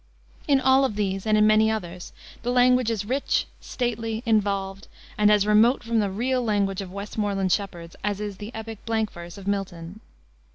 In all of these and in many others the language is rich, stately, involved, and as remote from the "real language" of Westmoreland shepherds, as is the epic blank verse of Milton.